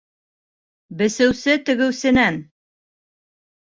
Бесеүсе тегеүсенән